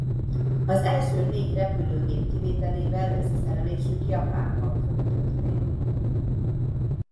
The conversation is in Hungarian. Az első négy repülőgép kivételével összeszerelésük Japánban fog történni.